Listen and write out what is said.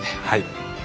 はい。